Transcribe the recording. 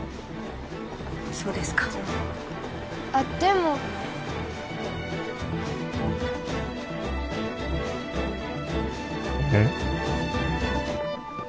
そうですかあっでもうん？